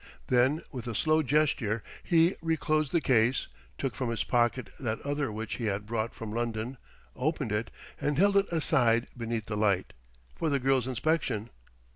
Then with a slow gesture, he reclosed the case, took from his pocket that other which he had brought from London, opened it, and held it aside beneath the light, for the girl's inspection.